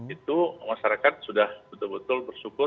itu masyarakat sudah betul betul bersyukur